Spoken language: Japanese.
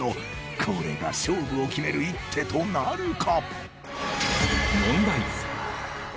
これが勝負を決める一手となるか？